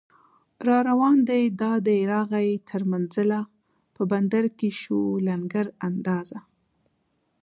راروان دی دا دی راغی تر منزله، په بندر کې شو لنګر اندازه